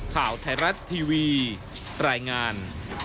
ข่าวไทรัสทีวีแรงงาน